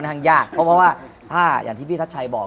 คอนทางยากเพราะว่าอย่างที่พี่ทัศไชยบอก